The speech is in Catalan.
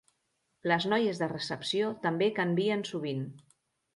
Les noies de recepció també canvien sovint.